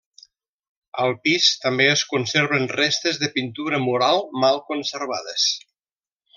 Al pis també es conserven restes de pintura mural, mal conservades.